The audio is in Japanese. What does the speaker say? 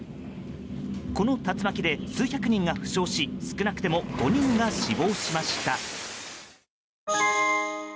この竜巻で数百人が負傷し少なくとも５人が死亡しました。